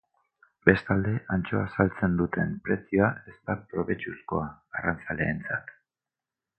Bestalde, antxoa saltzen duten prezioa ez da probetxuzkoa arrantzaleentzat.